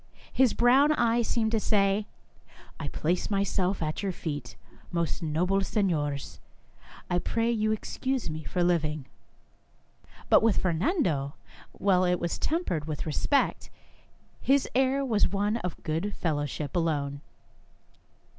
His brown eye seemed to say :" I place myself at your feet, most noble seniors ; I pray you excuse me for living." But with 1 8 Our Little Spanish Cousin Fernando, while it was tempered with respect, his air was one of good fellowship alone.